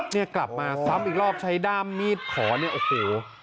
เนี่ยกลับมาซ้ำอีกรอบใช้ด้ามมีดขอเนี่ยโอ้โห